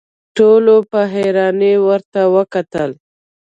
ټولو په حيرانۍ ورته وکتل.